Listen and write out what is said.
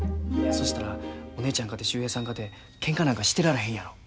そしたらお姉ちゃんかて秀平さんかてけんかなんかしてられへんやろ。